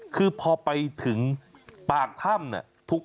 คือพอไปถึงปากถ้ำเนี่ย